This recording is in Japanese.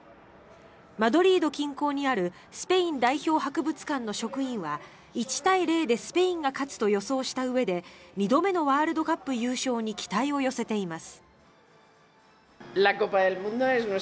マドリード近郊にあるスペイン代表博物館の職員は１対０でスペインが勝つと予想したうえで２度目のワールドカップ優勝に期待を寄せています。